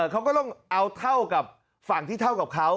เขาก็ต้องเอาเท่ากับฝั่งที่เท่ากับเขา